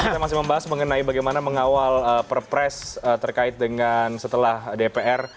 saya masih membahas mengenai bagaimana mengawal perpres terkait dengan setelah dpr